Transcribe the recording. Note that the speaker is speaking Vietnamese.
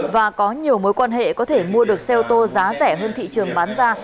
và có nhiều mối quan hệ có thể mua được xe ô tô giá rẻ hơn thị trường bán ra